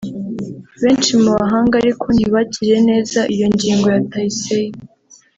Benshi mu bahanga ariko ntibakiriye neza iyo ngingo ya Taisei